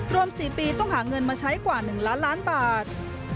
รวม๔ปีต้องหาเงินมาใช้กว่า๑ล้านล้านบาท